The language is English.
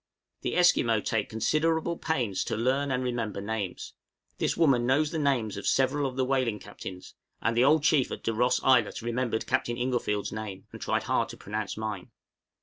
The Esquimaux take considerable pains to learn, and remember names; this woman knows the names of several of the whaling captains, and the old chief at De Ros Islet remembered Captain Inglefield's name, and tried hard to pronounce mine.